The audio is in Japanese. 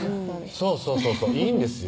そうそうそういいんですよ